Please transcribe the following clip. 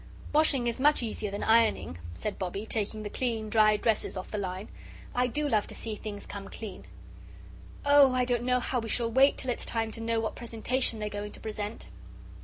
"Washing is much easier than ironing," said Bobbie, taking the clean dry dresses off the line. "I do love to see things come clean. Oh I don't know how we shall wait till it's time to know what presentation they're going to present!"